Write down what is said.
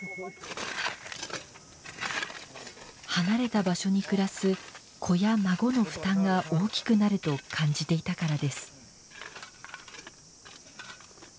離れた場所に暮らす子や孫の負担が大きくなると感じていたからです。